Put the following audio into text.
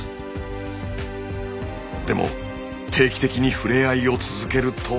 でも定期的に触れ合いを続けると。